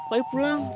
pak ibu pulang